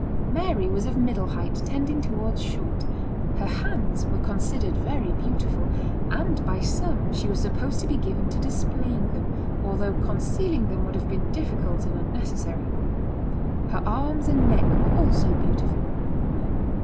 Mary was of middle height, tending towards short her hands were considered very beautiful, and by some she was supposed to be given to displaying them, although concealing them would have been difficult and unnecessary. Her arms and neck were also beautiful.